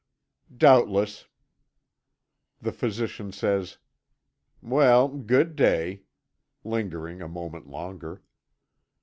"Doubtless." The physician says: "Well, good day," lingering a moment longer.